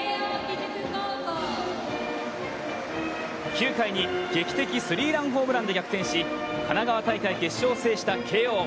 ９回に劇的スリーランホームランで逆転し、神奈川大会決勝を制した慶応。